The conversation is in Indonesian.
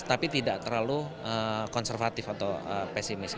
tapi tidak terlalu konservatif atau pesimis